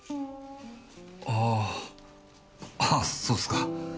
ああそうっすか。